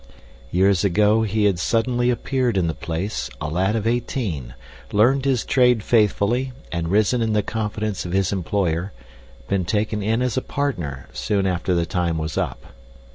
Years ago he had suddenly appeared in the place a lad of eighteen, learned his trade faithfully, and risen in the confidence of his employer, been taken in as a partner soon after the time was up.